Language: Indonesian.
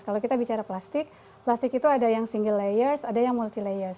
kalau kita bicara plastik plastik itu ada yang single layers ada yang multi layer